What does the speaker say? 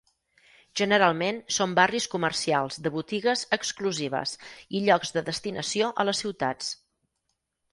Generalment són barris comercials de botigues exclusives i llocs de destinació a les ciutats.